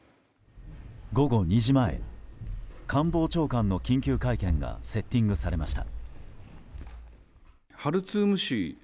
午後２時前官房長官の緊急会見がセッティングされました。